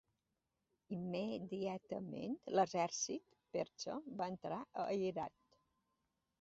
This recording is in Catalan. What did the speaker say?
Immediatament l'exèrcit persa va entrar a Herat.